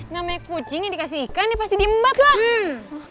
namanya kucing yang dikasih ikan dia pasti diembat lah